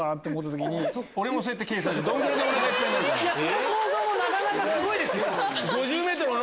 その想像もなかなかすごいですよ！